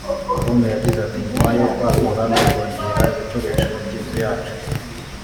com yagize ati ” Nyuma yo kwagura no kongera ibikoresho by’inzu yacu